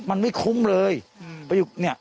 มันมีคุณเลย